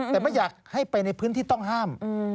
แต่ไม่อยากให้ไปในพื้นที่ต้องห้าม